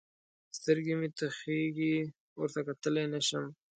سترګې مې تخېږي؛ ورته کتلای نه سم.